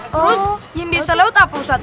terus yang bisa lewat apa ustaz